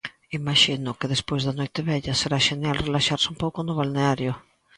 Imaxino que, despois da Noitevella, será xenial relaxarse un pouco no balneario.